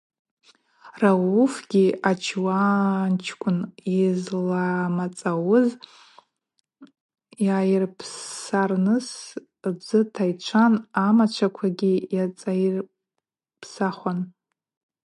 Рауфгьи ачуанчкӏвын йызламацӏауыз йайырпсарныс дзы тайчван амачваквагьи ацӏайпсахуан.